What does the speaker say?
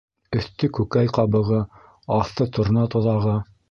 Өҫтө күкәй ҡабығы, аҫты торна тоҙағы.